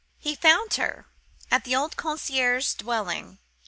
"He found her at the old concierge's dwelling.